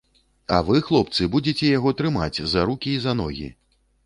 А вы, хлопцы, будзеце яго трымаць за рукі і за ногі.